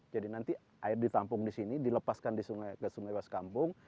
jadi nanti air ditampung di sini dilepaskan ke sungai waiskampung